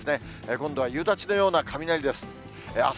今度は夕立のような雷です。